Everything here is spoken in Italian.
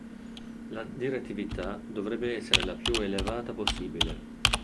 La direttività dovrebbe essere la più elevata possibile.